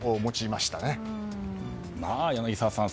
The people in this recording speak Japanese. まあ、柳澤さん